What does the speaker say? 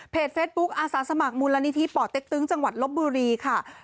เฟซบุ๊กอาสาสมัครมูลนิธิป่อเต็กตึงจังหวัดลบบุรีค่ะ